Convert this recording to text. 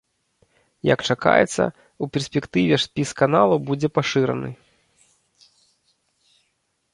Як чакаецца, ў перспектыве спіс каналаў будзе пашыраны.